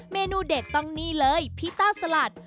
เมนูเด็ดต้องนี่เลยพี่ต้าสลัด